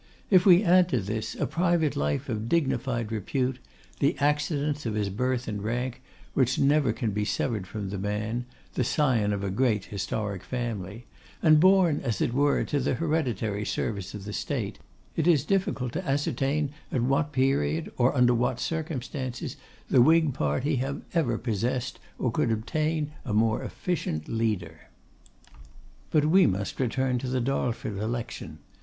If we add to this, a private life of dignified repute, the accidents of his birth and rank, which never can be severed from the man, the scion of a great historic family, and born, as it were, to the hereditary service of the State, it is difficult to ascertain at what period, or under what circumstances, the Whig party have ever possessed, or could obtain, a more efficient leader. But we must return to the Darlford election.